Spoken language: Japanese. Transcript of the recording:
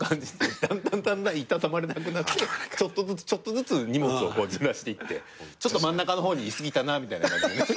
だんだんだんだん居たたまれなくなってきてちょっとずつちょっとずつ荷物をずらしていってちょっと真ん中の方にいすぎたなみたいな。